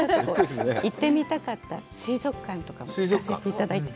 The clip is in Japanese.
行ってみたかった水族館にも行かせていただいて。